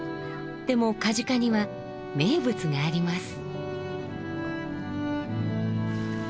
でも梶賀には名物があります。